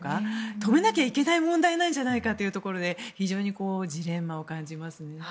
止めなきゃいけない問題なんじゃないかというところで非常にジレンマを感じます。